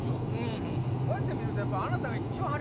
こうやって見ると。